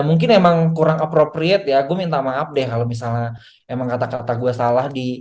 mungkin emang kurang approprate ya gue minta maaf deh kalau misalnya emang kata kata gue salah di